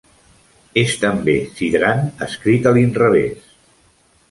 És també "Sidran" escrit a l'inrevés.